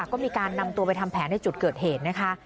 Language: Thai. ก็มีการนำตัวไปทำแผนในจุดเกิดเหตุนะคะ